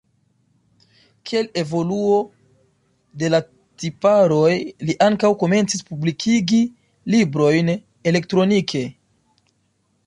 Kiel evoluo de la tiparoj li ankaŭ komencis publikigi librojn elektronike.